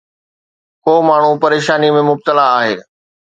ڪو ماڻهو پريشاني ۾ مبتلا آهي